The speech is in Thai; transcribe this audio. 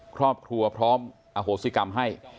ครอบครัวพร้อมอโหสิกรรมให้